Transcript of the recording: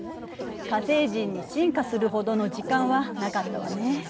火星人に進化するほどの時間はなかったわね。